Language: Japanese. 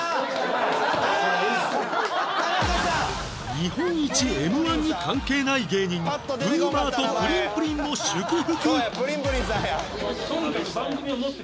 日本一 Ｍ−１ に関係ない芸人 ＢＯＯＭＥＲ とプリンプリンも祝福